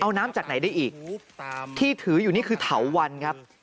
เอาน้ำจากไหนได้อีกที่ถืออยู่นี่คือเถาวันครับ